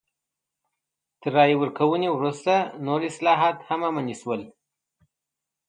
تر رایې ورکونې وروسته نور اصلاحات هم عملي شول.